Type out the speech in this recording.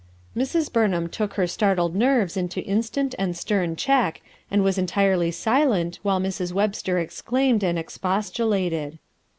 Mrs. Burnham took her startled nerves into instant and stern check, and was entirely silent while Mrs. Webster exclaimed and expostulated.